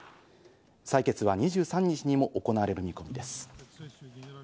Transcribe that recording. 採決は２３日にも行われる見込みです。